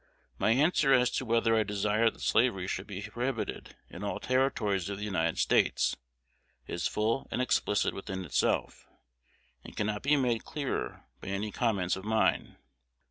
My answer as to whether I desire that slavery should be prohibited in all Territories of the United States is full and explicit within itself, and cannot be made clearer by any comments of mine.